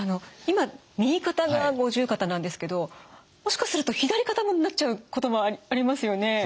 今右肩が五十肩なんですけどもしかすると左肩もなっちゃうこともありますよね？